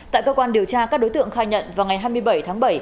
tại cơ quan điều tra các đối tượng khai nhận vào ngày hai mươi bảy tháng bảy